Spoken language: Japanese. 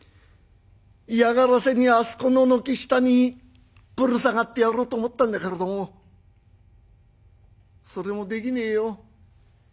嫌がらせにあそこの軒下にぶら下がってやろうと思ったんだけれどもそれもできねえよ。